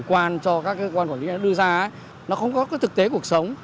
quan cho các cơ quan quản lý đưa ra nó không có thực tế cuộc sống